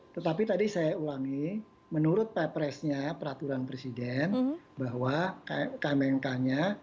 tetapi tadi saya ulangi menurut pepresnya peraturan presiden bahwa kmnk nya